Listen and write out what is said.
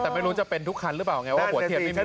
แต่ไม่รู้จะเป็นทุกคันหรือเปล่าไงว่าหัวเทียดไม่มีปัญหาสตาร์ท